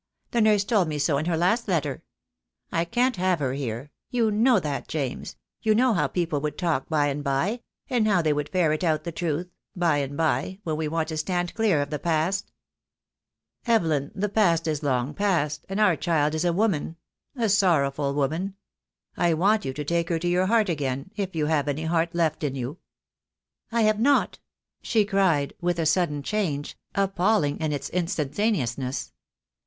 The nurse told me so in her last letter. I can't have her here. You know that, James, — you know how people would talk by and by — how they would ferret out the truth — by and by, when we want to stand clear of the past " "Evelyn, the past is long past, and our child is a woman — a sorrowful woman. I want you to take her to your heart again, if you have any heart left in you." "I have not," she cried, with a sudden change, ap palling in its instantaneousness.